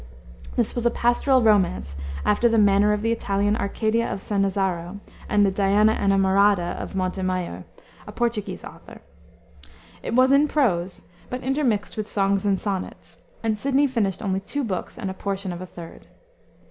This was a pastoral romance, after the manner of the Italian Arcadia of Sanazzaro, and the Diana Enamorada of Montemayor, a Portuguese author. It was in prose, but intermixed with songs and sonnets, and Sidney finished only two books and a portion of a third.